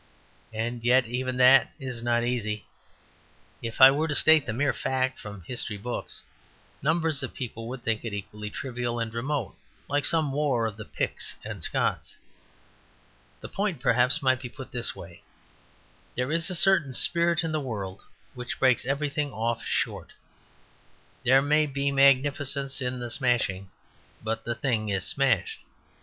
And yet even that is not easy. If I were to state the mere fact from the history books, numbers of people would think it equally trivial and remote, like some war of the Picts and Scots. The points perhaps might be put in this way. There is a certain spirit in the world which breaks everything off short. There may be magnificence in the smashing; but the thing is smashed.